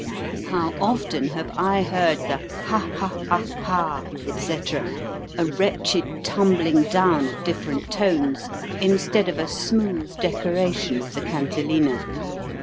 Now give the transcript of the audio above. How often have I heard the ha ha ha haa, etc., a wretched tumbling down of different tones, instead of a smooth decoration of the cantilena.